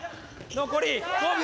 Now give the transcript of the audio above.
残り５秒！